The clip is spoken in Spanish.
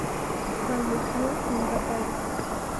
Falleció en Rapallo.